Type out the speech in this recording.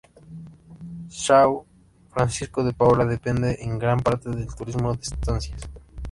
São Francisco de Paula depende en gran parte del turismo de estancias.